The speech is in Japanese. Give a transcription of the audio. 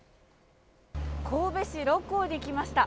神戸市六甲に来ました。